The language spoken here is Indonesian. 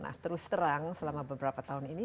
nah terus terang selama beberapa tahun ini